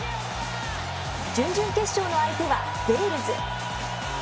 準々決勝の相手はウェールズ。